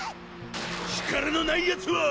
力のないヤツは！